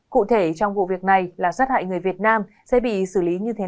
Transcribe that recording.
cụ thể trong vụ việc này là sát hại người việt nam sẽ bị xử lý như thế nào